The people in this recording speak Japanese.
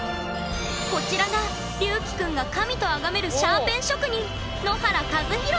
こちらがりゅうきくんが神とあがめるシャーペン職人